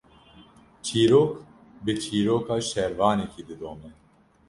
Çîrok, bi çîroka şervanekî didome